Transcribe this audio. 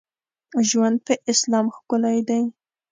ژوند په اسلام ښکلی دی.